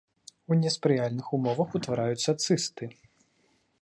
У неспрыяльных умовах утвараюць цысты.